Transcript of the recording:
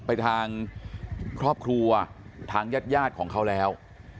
ไปทางครอบครัวทางญาติของเขาแล้ว